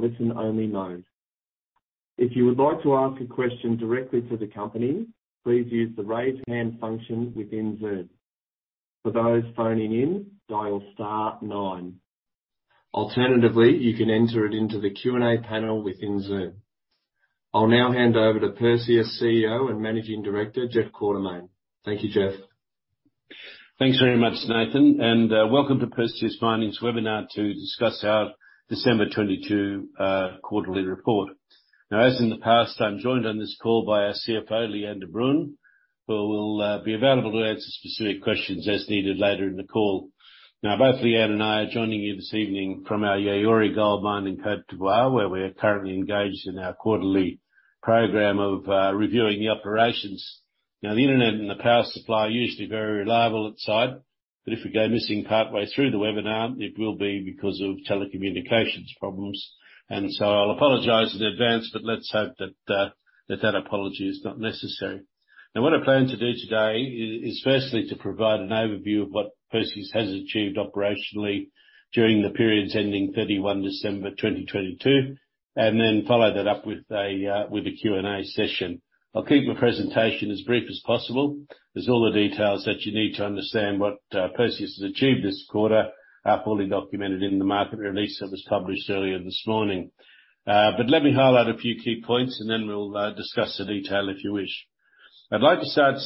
Are in a listen only mode. If you would like to ask a question directly to the company, please use the Raise Hand function within Zoom. For those phoning in, dial star nine. Alternatively, you can enter it into the Q&A panel within Zoom. I'll now hand over to Perseus CEO and Managing Director, Jeff Quartermaine. Thank you, Jeff. Thanks very much, Nathan, welcome to Perseus Mining's webinar to discuss our December 2022 quarterly report. As in the past, I'm joined on this call by our CFO, Lee-Anne de Bruin, who will be available to answer specific questions as needed later in the call. Both Lee-Anne and I are joining you this evening from our Yaouré Gold Mine in Côte d'Ivoire, where we are currently engaged in our quarterly program of reviewing the operations. The internet and the power supply are usually very reliable on site, but if we go missing partway through the webinar, it will be because of telecommunications problems. I'll apologize in advance, but let's hope that apology is not necessary. What I plan to do today is firstly, to provide an overview of what Perseus has achieved operationally during the periods ending 31 December 2022, and then follow that up with a Q&A session. I'll keep my presentation as brief as possible, as all the details that you need to understand what Perseus has achieved this quarter are fully documented in the market release that was published earlier this morning. Let me highlight a few key points, and then we'll discuss the detail, if you wish. I'd like to start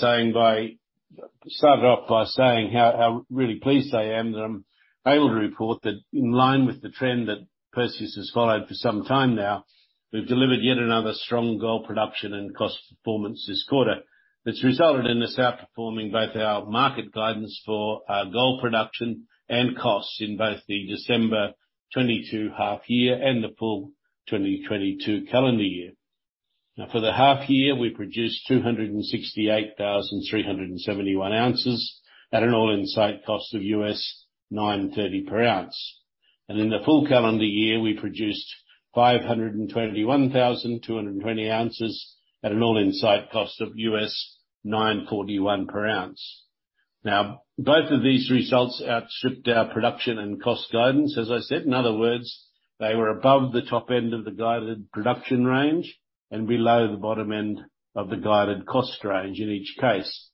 off by saying how really pleased I am that I'm able to report that in line with the trend that Perseus has followed for some time now, we've delivered yet another strong gold production and cost performance this quarter. That's resulted in us outperforming both our market guidance for gold production and costs in both the December 2022 half year and the full 2022 calendar year. For the half year, we produced 268,371 ounces at an all-in site cost of US $930 per ounce. In the full calendar year, we produced 521,220 ounces at an all-in site cost of US $941 per ounce. Both of these results outstripped our production and cost guidance, as I said. In other words, they were above the top end of the guided production range and below the bottom end of the guided cost range in each case.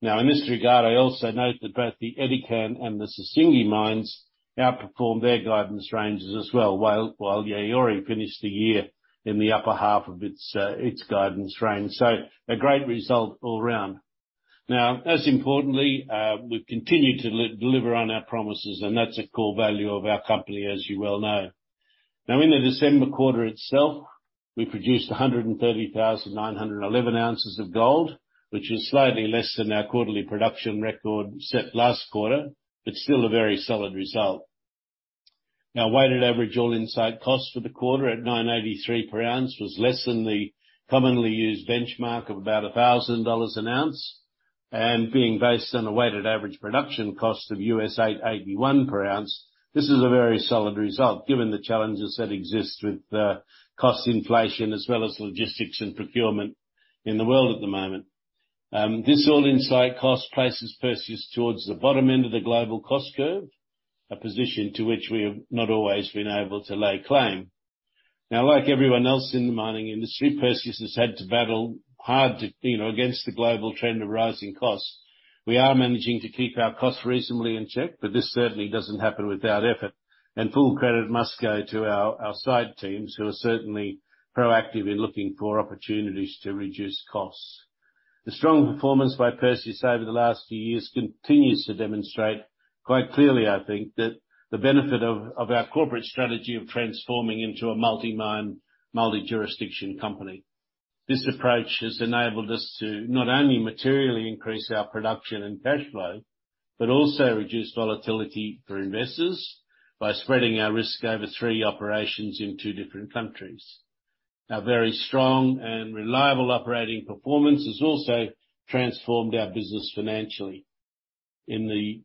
In this regard, I also note that both the Edikan and the Sissingué mines outperformed their guidance ranges as well, while Yaouré finished the year in the upper half of its guidance range. So a great result all round. As importantly, we've continued to deliver on our promises, and that's a core value of our company, as you well know. In the December quarter itself, we produced 130,911 ounces of gold, which is slightly less than our quarterly production record set last quarter, but still a very solid result. Weighted average all-in site cost for the quarter at $983 per ounce was less than the commonly used benchmark of about $1,000 an ounce. Being based on a weighted average production cost of US $881 per ounce, this is a very solid result, given the challenges that exist with cost inflation as well as logistics and procurement in the world at the moment. This all-in site cost places Perseus towards the bottom end of the global cost curve, a position to which we have not always been able to lay claim. Like everyone else in the mining industry, Perseus has had to battle hard, you know, against the global trend of rising costs. We are managing to keep our costs reasonably in check, but this certainly doesn't happen without effort. Full credit must go to our site teams who are certainly proactive in looking for opportunities to reduce costs. The strong performance by Perseus over the last few years continues to demonstrate quite clearly, I think, that the benefit of our corporate strategy of transforming into a multi-mine, multi-jurisdiction company. This approach has enabled us to not only materially increase our production and cash flow, but also reduce volatility for investors by spreading our risk over three operations in two different countries. Our very strong and reliable operating performance has also transformed our business financially. In the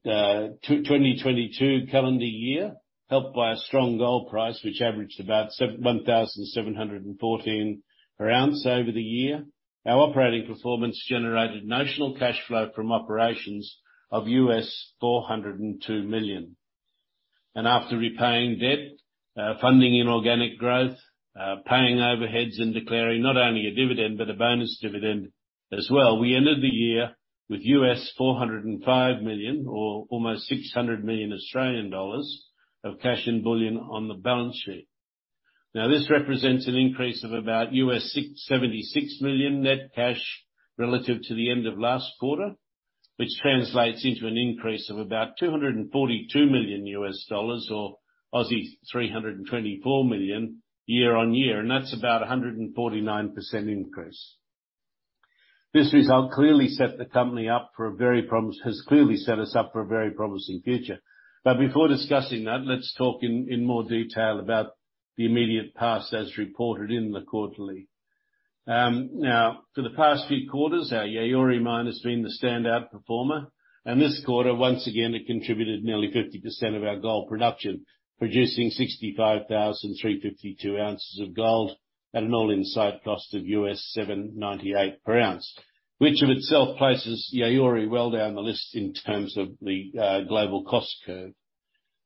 2022 calendar year, helped by a strong gold price, which averaged about 1,714 per ounce over the year, our operating performance generated notional cash flow from operations of $402 million. After repaying debt, funding inorganic growth, paying overheads and declaring not only a dividend but a bonus dividend as well, we ended the year with $405 million, or almost 600 million Australian dollars of cash in bullion on the balance sheet. Now, this represents an increase of about $76 million net cash relative to the end of last quarter, which translates into an increase of about $242 million or 324 million year-on-year, and that's about a 149% increase. This result has clearly set us up for a very promising future. Before discussing that, let's talk in more detail about the immediate past as reported in the quarterly. For the past few quarters, our Yaouré mine has been the standout performer, and this quarter, once again, it contributed nearly 50% of our gold production, producing 65,352 ounces of gold. At an all-in site cost of 798 per ounce, which of itself places Yaouré well down the list in terms of the global cost curve.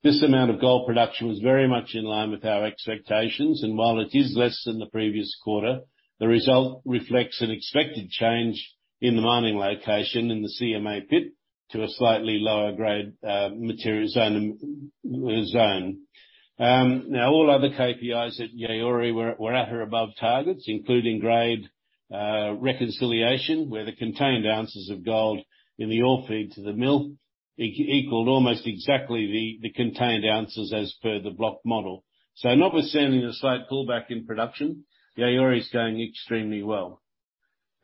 This amount of gold production was very much in line with our expectations, and while it is less than the previous quarter, the result reflects an expected change in the mining location in the CMA pit to a slightly lower grade material zone. All other KPIs at Yaouré were at or above targets, including grade reconciliation, where the contained ounces of gold in the ore feed to the mill equaled almost exactly the contained ounces as per the block model. Notwithstanding the slight pullback in production, Yaouré is going extremely well.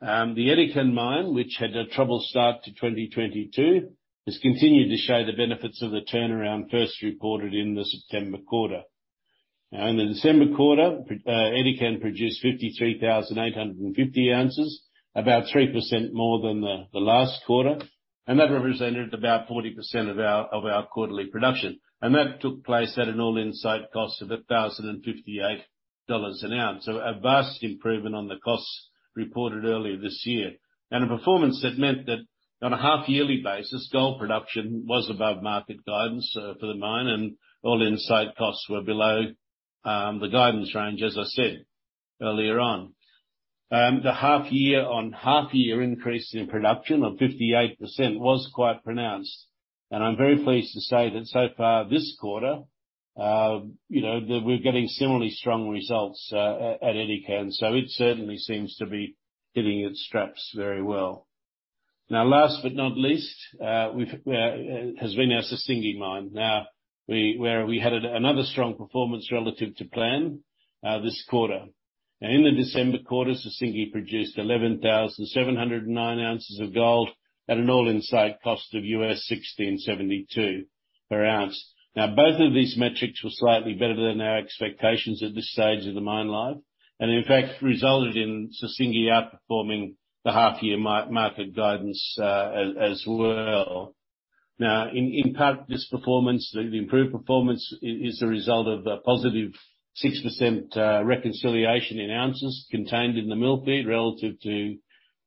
The Edikan mine, which had a troubled start to 2022, has continued to show the benefits of the turnaround first reported in the September quarter. In the December quarter, Edikan produced 53,850 ounces, about 3% more than the last quarter. That represented about 40% of our quarterly production. That took place at an all-in site cost of $1,058 an ounce. A vast improvement on the costs reported earlier this year. A performance that meant that on a half yearly basis, gold production was above market guidance for the mine, and all-in site costs were below the guidance range, as I said earlier on. The half year on half year increase in production of 58% was quite pronounced, and I'm very pleased to say that so far this quarter, you know, we're getting similarly strong results at Edikan. It certainly seems to be hitting its straps very well. Last but not least, we've has been our Sissingué mine. We, where we had another strong performance relative to plan this quarter. In the December quarter, Sissingué produced 11,709 ounces of gold at an all-in site cost of $1,672 per ounce. Both of these metrics were slightly better than our expectations at this stage of the mine life, and in fact resulted in Sissingué outperforming the half year market guidance as well. In part, this performance, the improved performance is a result of a positive 6% reconciliation in ounces contained in the mill feed relative to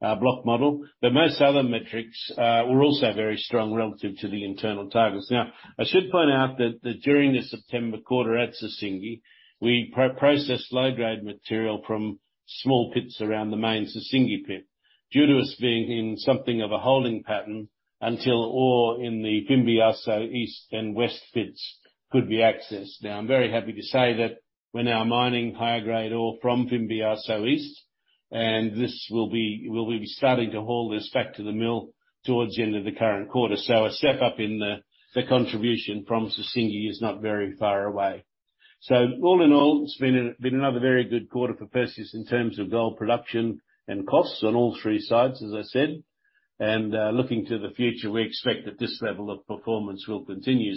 block model. Most other metrics were also very strong relative to the internal targets. I should point out that during the September quarter at Sissingué, we processed low-grade material from small pits around the main Sissingué pit due to us being in something of a holding pattern until ore in the Fimbiasso east and west pits could be accessed. I'm very happy to say that we're now mining higher grade ore from Fimbiasso, so east, we'll be starting to haul this back to the mill towards the end of the current quarter. A step up in the contribution from Sissingué is not very far away. All in all, it's been another very good quarter for Perseus in terms of gold production and costs on all three sites, as I said. Looking to the future, we expect that this level of performance will continue.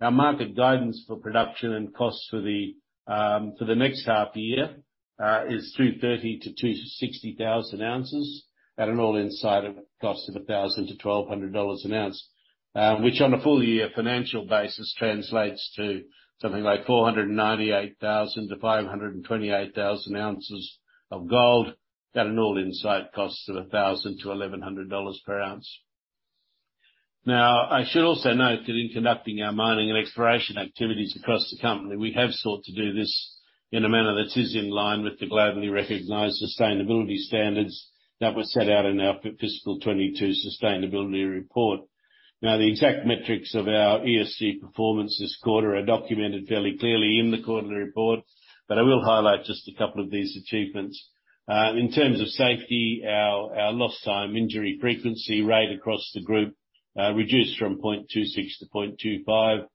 Our market guidance for production and costs for the next half year is 230,000 ounces-260,000 ounces at an all-in site cost of $1,000-$1,200 an ounce, which on a full-year financial basis translates to something like 498,000-528,000 ounces of gold at an all-in site cost of $1,000-$1,100 per ounce. I should also note that in conducting our mining and exploration activities across the company, we have sought to do this in a manner that is in line with the globally recognized sustainability standards that were set out in our fiscal 22 sustainability report. The exact metrics of our ESG performance this quarter are documented fairly clearly in the quarterly report, but I will highlight just a couple of these achievements. In terms of safety, our lost time injury frequency rate across the group reduced from 0.26-0.25.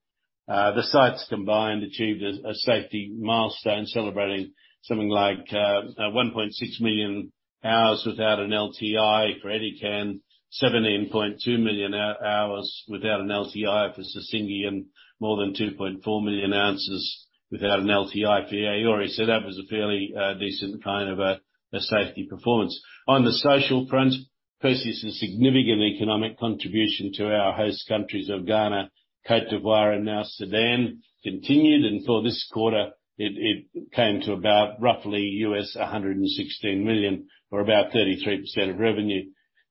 The sites combined achieved a safety milestone celebrating something like 1.6 million hours without an LTI for Edikan, 17.2 million hours without an LTI for Sissingué, and more than 2.4 million ounces without an LTI for Yaouré. That was a fairly decent kind of a safety performance. On the social front, Perseus' significant economic contribution to our host countries of Ghana, Côte d'Ivoire, and now Sudan continued, and for this quarter, it came to about roughly $116 million or about 33% of revenue.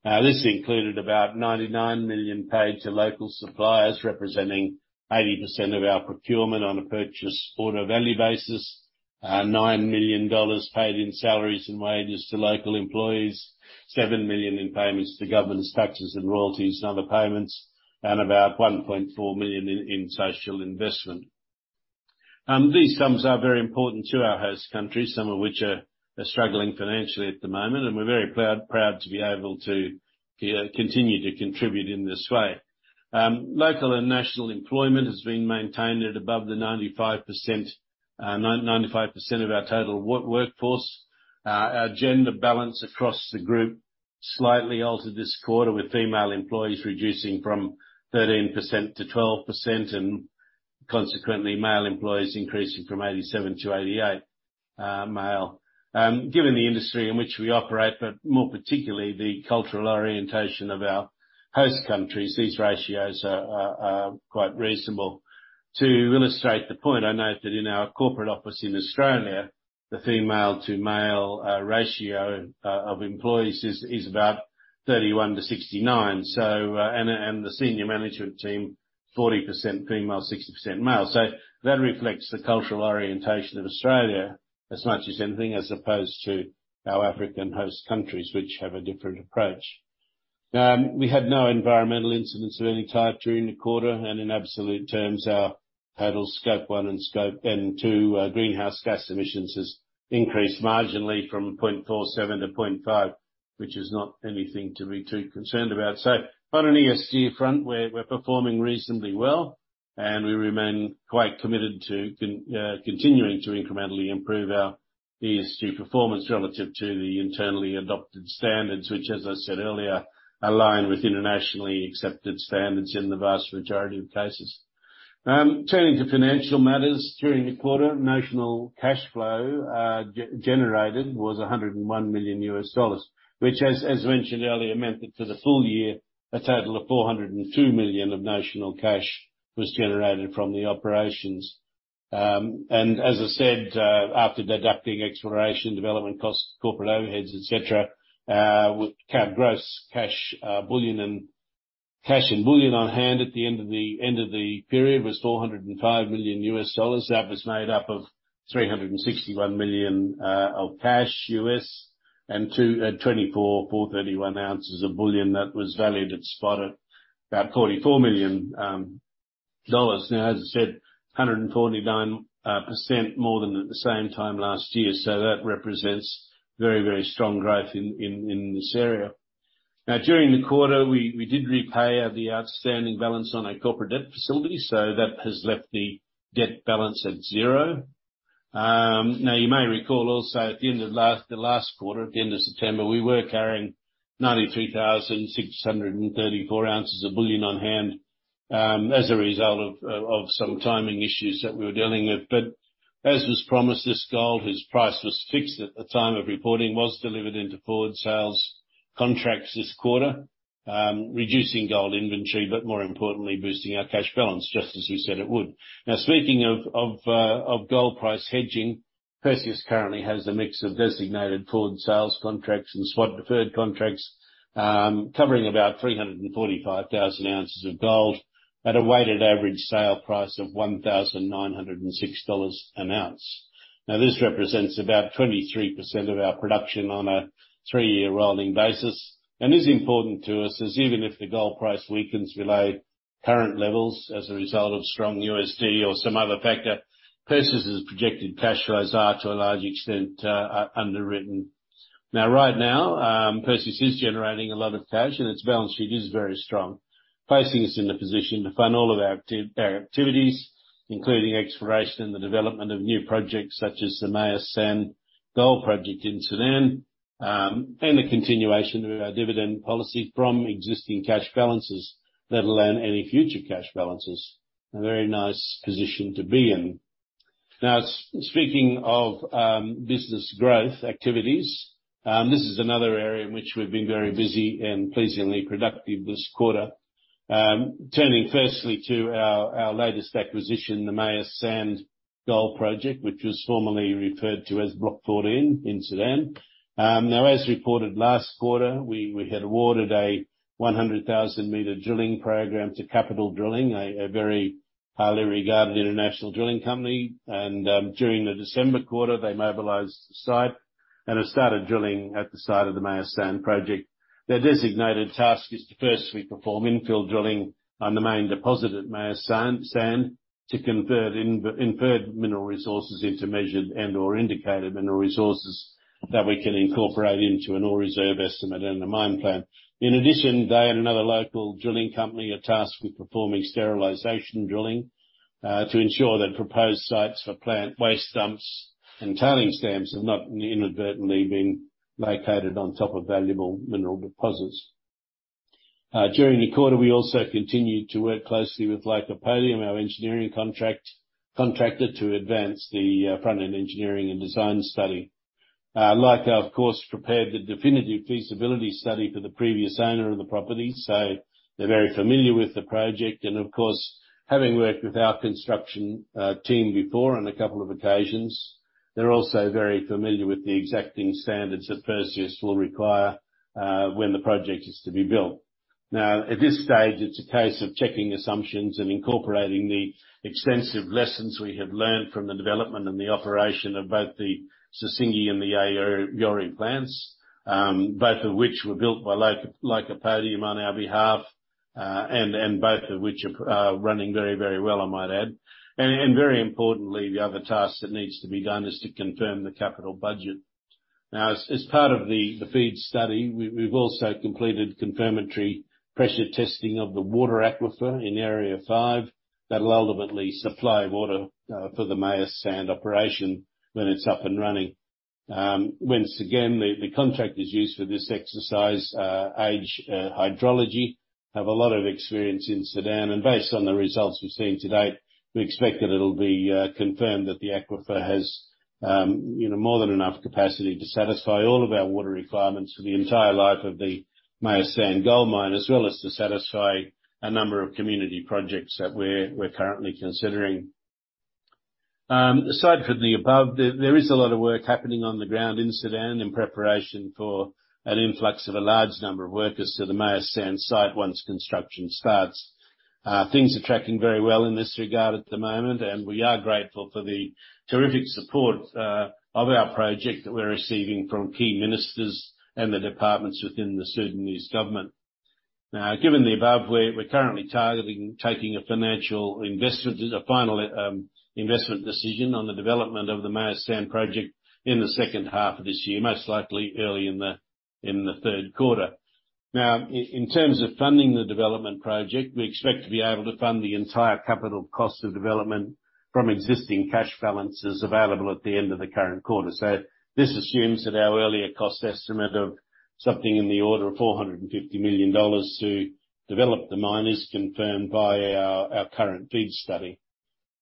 This included about $99 million paid to local suppliers, representing 80% of our procurement on a purchase order value basis, $9 million paid in salaries and wages to local employees, $7 million in payments to governments, taxes and royalties and other payments, and about $1.4 million in social investment. These sums are very important to our host countries, some of which are struggling financially at the moment, and we're very proud to be able to continue to contribute in this way. Local and national employment has been maintained at above the 95% of our total workforce. Our gender balance across the group slightly altered this quarter, with female employees reducing from 13%-12%, and consequently, male employees increasing from 87-88. Given the industry in which we operate, more particularly the cultural orientation of our host countries, these ratios are quite reasonable. To illustrate the point, I note that in our corporate office in Australia, the female to male ratio of employees is about 31-69. The senior management team, 40% female, 60% male. That reflects the cultural orientation of Australia as much as anything, as opposed to our African host countries, which have a different approach. We had no environmental incidents of any type during the quarter. In absolute terms, our total Scope 1 and Scope 2 greenhouse gas emissions has increased marginally from 0.47 to 0.5, which is not anything to be too concerned about. On an ESG front, we're performing reasonably well, and we remain quite committed to continuing to incrementally improve our ESG performance relative to the internally adopted standards, which, as I said earlier, align with internationally accepted standards in the vast majority of cases. Turning to financial matters. During the quarter, national cash flow generated was $101 million, which, as mentioned earlier, meant that for the full-year, a total of $402 million of national cash was generated from the operations. As I said, after deducting exploration, development costs, corporate overheads, et cetera, we count gross cash and bullion on hand at the end of the period was $405 million. That was made up of $361 million of cash US, and 24.31 ounces of bullion that was valued at spot at about $44 million. As I said, 149% more than at the same time last year. That represents very, very strong growth in this area. During the quarter, we did repay the outstanding balance on our corporate debt facility. That has left the debt balance at zero. You may recall also at the end of the last quarter, at the end of September, we were carrying 93,634 ounces of bullion on hand, as a result of some timing issues that we were dealing with. As was promised, this gold, whose price was fixed at the time of reporting, was delivered into forward sales contracts this quarter, reducing gold inventory, but more importantly, boosting our cash balance, just as we said it would. Speaking of gold price hedging, Perseus currently has a mix of designated forward sales contracts and spot deferred contracts, covering about 345,000 ounces of gold at a weighted average sale price of $1,906 an ounce. This represents about 23% of our production on a three-year rolling basis. Is important to us as even if the gold price weakens below current levels as a result of strong USD or some other factor, Perseus's projected cash flows are to a large extent underwritten. Right now, Perseus is generating a lot of cash, and its balance sheet is very strong, placing us in a position to fund all of our activities, including exploration and the development of new projects such as the Meyas Sand Gold Project in Sudan, and the continuation of our dividend policy from existing cash balances, let alone any future cash balances. A very nice position to be in. Speaking of business growth activities, this is another area in which we've been very busy and pleasingly productive this quarter. Turning firstly to our latest acquisition, the Meyas Sand Gold Project, which was formerly referred to as Block 14 in Sudan. Now, as reported last quarter, we had awarded a 100,000 meter drilling program to Capital Limited, a very highly regarded international drilling company. During the December quarter, they mobilized the site and have started drilling at the site of the Meyas Sand Project. Their designated task is to firstly perform infill drilling on the main deposit at Meyas Sand, to convert Inferred Mineral Resources into Measured and/or Indicated Mineral Resources that we can incorporate into an ore reserve estimate and a mine plan. In addition, they and another local drilling company are tasked with performing sterilization drilling to ensure that proposed sites for plant waste dumps and tailing stamps have not inadvertently been located on top of valuable mineral deposits. During the quarter, we also continued to work closely with Lycopodium, our engineering contractor, to advance the Front-End Engineering and Design study. Lycopodium, of course, prepared the Definitive Feasibility Study for the previous owner of the property, so they're very familiar with the project. Of course, having worked with our construction team before on a couple of occasions, they're also very familiar with the exacting standards that Perseus will require when the project is to be built. At this stage, it's a case of checking assumptions and incorporating the extensive lessons we have learned from the development and the operation of both the Sissingué and the Yaouré plants, both of which were built by Lycopodium on our behalf, and both of which are running very, very well, I might add. Very importantly, the other task that needs to be done is to confirm the capital budget. As part of the FEED study, we've also completed confirmatory pressure testing of the water aquifer in area five that'll ultimately supply water for the Meyas Sand operation when it's up and running. Once again, the contractors used for this exercise, AGE Hydrology, have a lot of experience in Sudan. Based on the results we've seen to date, we expect that it'll be confirmed that the aquifer has, you know, more than enough capacity to satisfy all of our water requirements for the entire life of the Meyas Sand Gold Mine, as well as to satisfy a number of community projects that we're currently considering. Aside from the above, there is a lot of work happening on the ground in Sudan in preparation for an influx of a large number of workers to the Meyas Sand site once construction starts. Things are tracking very well in this regard at the moment, and we are grateful for the terrific support of our project that we're receiving from key ministers and the departments within the Sudanese government. Given the above, we're currently targeting taking a final investment decision on the development of the Meyas Sand project in the second half of this year, most likely early in the third quarter. In terms of funding the development project, we expect to be able to fund the entire capital cost of development from existing cash balances available at the end of the current quarter. This assumes that our earlier cost estimate of something in the order of $450 million to develop the mine is confirmed by our current FEED study.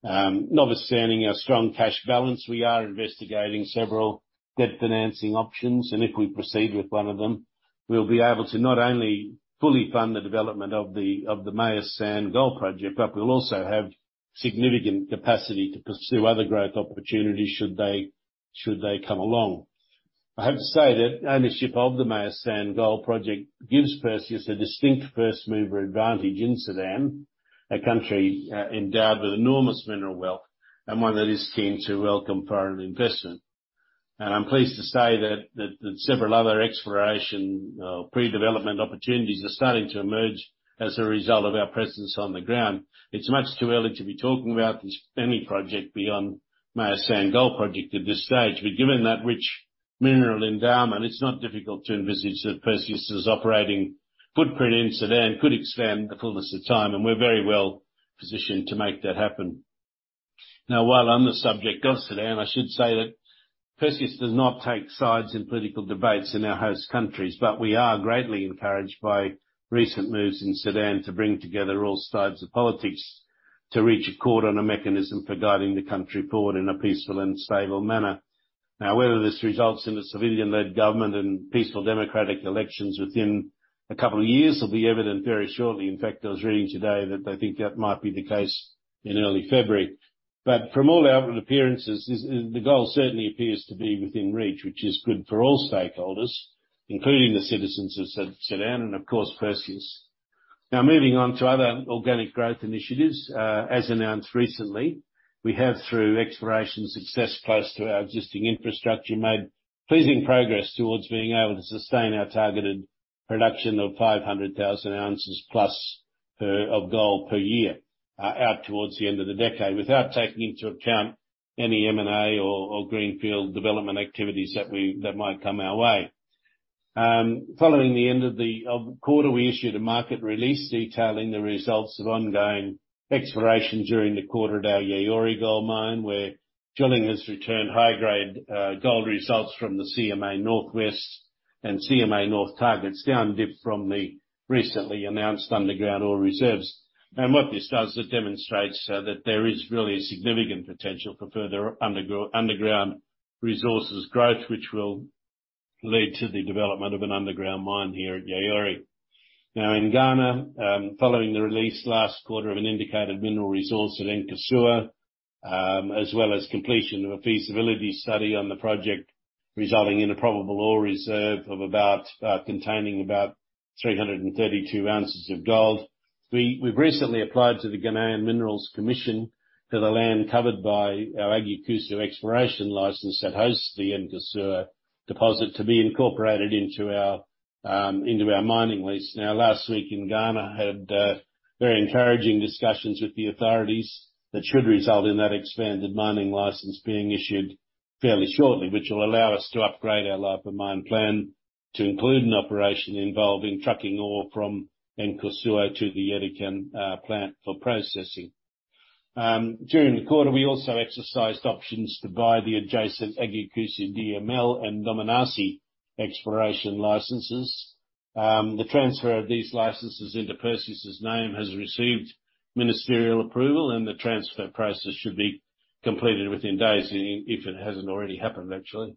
Notwithstanding our strong cash balance, we are investigating several debt financing options, and if we proceed with one of them, we'll be able to not only fully fund the development of the Meyas Sand Gold Project, but we'll also have significant capacity to pursue other growth opportunities should they come along. I have to say that ownership of the Meyas Sand Gold Project gives Perseus a distinct first-mover advantage in Sudan, a country endowed with enormous mineral wealth, and one that is keen to welcome foreign investment. I'm pleased to say that several other exploration pre-development opportunities are starting to emerge as a result of our presence on the ground. It's much too early to be talking about the spending project beyond Meyas Sand Gold Project at this stage Given that rich mineral endowment, it's not difficult to envisage that Perseus' operating footprint in Sudan could expand the fullness of time, and we're very well-positioned to make that happen. While on the subject of Sudan, I should say that Perseus does not take sides in political debates in our host countries, but we are greatly encouraged by recent moves in Sudan to bring together all sides of politics to reach accord on a mechanism for guiding the country forward in a peaceful and stable manner. Whether this results in a civilian-led government and peaceful democratic elections within a couple of years will be evident very shortly. In fact, I was reading today that they think that might be the case in early February. From all outward appearances, this, the goal certainly appears to be within reach, which is good for all stakeholders, including the citizens of Sudan and, of course, Perseus. Moving on to other organic growth initiatives. As announced recently, we have, through exploration success close to our existing infrastructure, made pleasing progress towards being able to sustain our targeted production of 500,000+ ounces of gold per year out towards the end of the decade, without taking into account any M&A or greenfield development activities that might come our way. Following the end of the quarter, we issued a market release detailing the results of ongoing exploration during the quarter at our Yaouré Gold Mine, where drilling has returned high grade gold results from the CMA North West and CMA North targets, down dip from the recently announced underground ore reserves. What this does, it demonstrates that there is really a significant potential for further underground resources growth, which will lead to the development of an underground mine here at Yaouré. In Ghana, following the release last quarter of an Indicated Mineral Resource at Nkosuo, as well as completion of a feasibility study on the project, resulting in a Probable Ore Reserve of about containing about 332 ounces of gold. We've recently applied to the Minerals Commission of Ghana that the land covered by our Agyakusu exploration license that hosts the Nkosuo deposit to be incorporated into our mining lease. Last week in Ghana, had very encouraging discussions with the authorities that should result in that expanded mining license being issued fairly shortly, which will allow us to upgrade our life of mine plan to include an operation involving trucking ore from Nkosuo to the Edikan plant for processing. During the quarter, we also exercised options to buy the adjacent Agyakusu DML and Domenase exploration licenses. The transfer of these licenses into Perseus' name has received ministerial approval, the transfer process should be completed within days if it hasn't already happened, actually.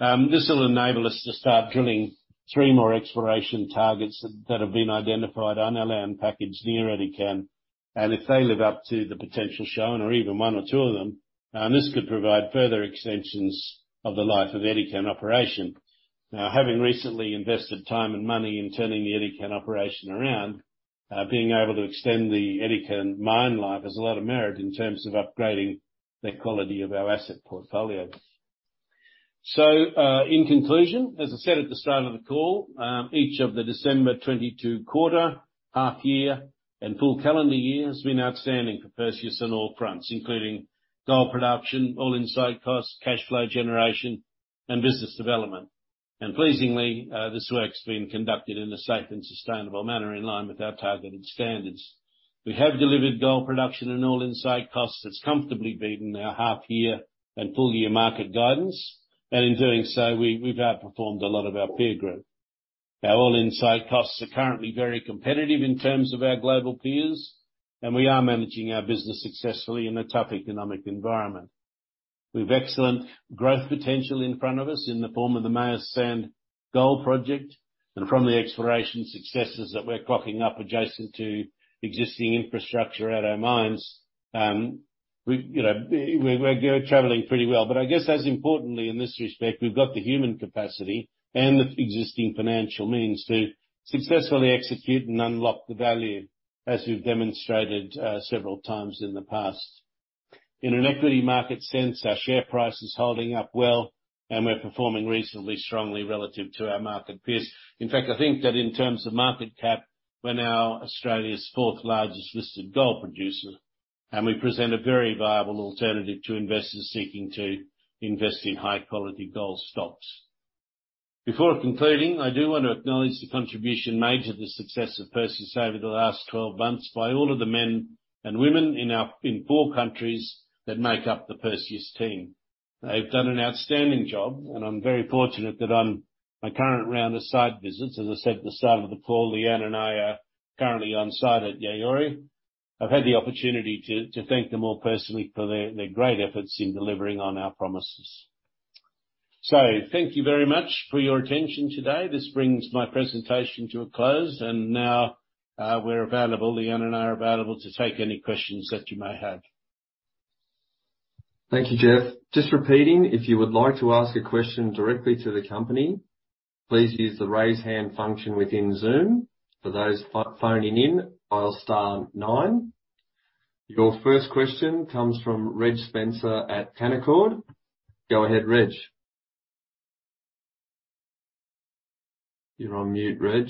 This will enable us to start drilling three more exploration targets that have been identified on our land package near Edikan. If they live up to the potential shown or even one or two of them, this could provide further extensions of the life of Edikan operation. Now, having recently invested time and money in turning the Edikan operation around, being able to extend the Edikan mine life has a lot of merit in terms of upgrading the quality of our asset portfolio. In conclusion, as I said at the start of the call, each of the December 2022 quarter, half year, and full calendar year has been outstanding for Perseus on all fronts, including gold production, all-in site costs, cash flow generation, and business development. Pleasingly, this work's been conducted in a safe and sustainable manner in line with our targeted standards. We have delivered gold production and all-in site costs that's comfortably beaten our half year and full-year market guidance. In doing so, we've outperformed a lot of our peer group. Our all-in site costs are currently very competitive in terms of our global peers, and we are managing our business successfully in a tough economic environment. We've excellent growth potential in front of us in the form of the Meyas Sand Gold Project and from the exploration successes that we're cropping up adjacent to existing infrastructure at our mines. We, you know, we're traveling pretty well. I guess as importantly in this respect, we've got the human capacity and the existing financial means to successfully execute and unlock the value, as we've demonstrated, several times in the past. In an equity market sense, our share price is holding up well and we're performing reasonably strongly relative to our market peers. In fact, I think that in terms of market cap, we're now Australia's fourth largest listed gold producer, and we present a very viable alternative to investors seeking to invest in high quality gold stocks. Before concluding, I do want to acknowledge the contribution made to the success of Perseus over the last 12 months by all of the men and women in four countries that make up the Perseus team. They've done an outstanding job, and I'm very fortunate that on my current round of site visits, as I said at the start of the call, Leanne and I are currently on site at Yaouré. I've had the opportunity to thank them all personally for their great efforts in delivering on our promises. Thank you very much for your attention today. This brings my presentation to a close and now, we're available, Leanne and I are available to take any questions that you may have. Thank you, Jeff. Just repeating, if you would like to ask a question directly to the company, please use the raise hand function within Zoom. For those phoning in, dial star nine. Your first question comes from Reg Spencer at Canaccord. Go ahead, Reg. You're on mute, Reg.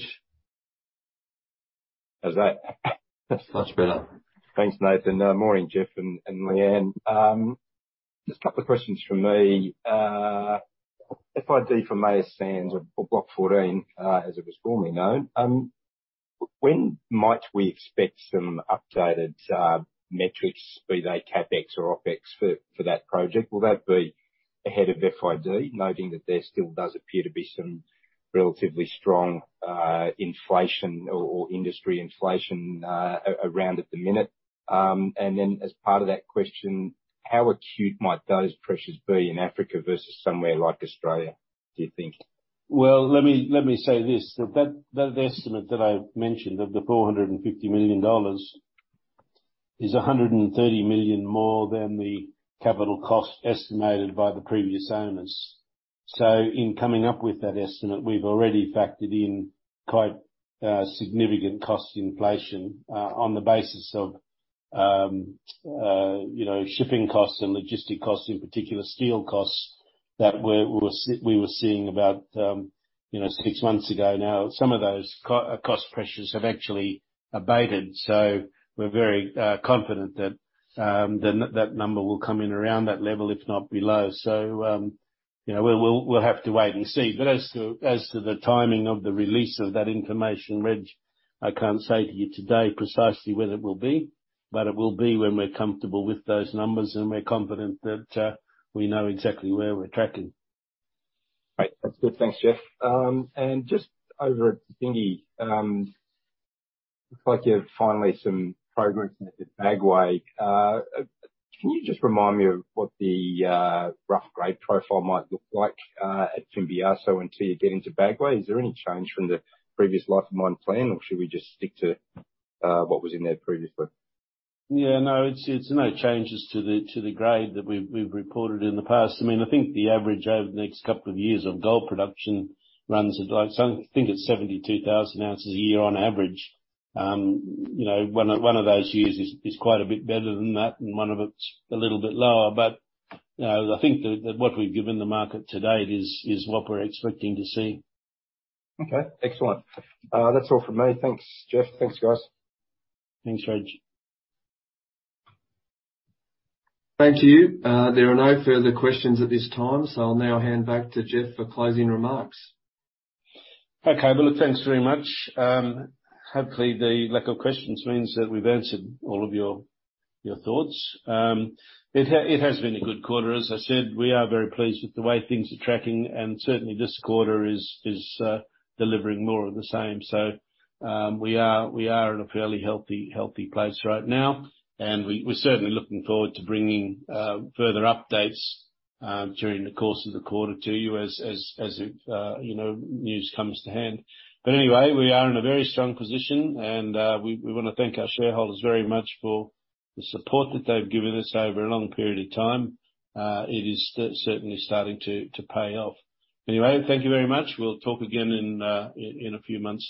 How's that? That's much better. Thanks, Nathan. Morning, Jeff and Lee-Anne. Just a couple of questions from me. FID for Meyas Sand or Block 14, as it was formerly known, when might we expect some updated metrics, be they CapEx or OpEx for that project? Will that be ahead of FID? Noting that there still does appear to be some relatively strong inflation or industry inflation around at the minute. As part of that question, how acute might those pressures be in Africa versus somewhere like Australia, do you think? Well, let me say this, that estimate that I mentioned, of the $450 million, is $130 million more than the capital cost estimated by the previous owners. In coming up with that estimate, we've already factored in quite significant cost inflation on the basis of, you know, shipping costs and logistic costs, in particular, steel costs that we were seeing about, you know, six months ago now. Some of those cost pressures have actually abated, we're very confident that number will come in around that level, if not below. You know, we'll have to wait and see. As to the timing of the release of that information, Reg, I can't say to you today precisely when it will be, but it will be when we're comfortable with those numbers and we're confident that we know exactly where we're tracking. Great. That's good. Thanks, Jeff. Just over at Fimbiasso, looks like you have finally some progress at Bagoé. Can you just remind me of what the rough grade profile might look like, at Fimbiasso until you get into Bagoé? Is there any change from the previous life of mine plan or should we just stick to what was in there previously? Yeah, no, it's no changes to the, to the grade that we've reported in the past. I mean, I think the average over the next couple of years of gold production runs at, like, I think it's 72,000 ounces a year on average. You know, one of those years is quite a bit better than that, and one of it's a little bit lower. You know, I think that what we've given the market to date is what we're expecting to see. Okay, excellent. That's all from me. Thanks, Jeff. Thanks, guys. Thanks, Reg. Thank you. There are no further questions at this time. I'll now hand back to Jeff for closing remarks. Okay. Well, thanks very much. Hopefully, the lack of questions means that we've answered all of your thoughts. It has been a good quarter. As I said, we are very pleased with the way things are tracking, and certainly this quarter is delivering more of the same. We are at a fairly healthy place right now, and we're certainly looking forward to bringing further updates during the course of the quarter to you as you know, news comes to hand. Anyway, we are in a very strong position and we wanna thank our shareholders very much for the support that they've given us over a long period of time. It is certainly starting to pay off. Anyway, thank you very much. We'll talk again in a few months time.